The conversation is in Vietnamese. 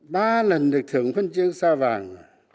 ba lần được thưởng phân chương sao vàng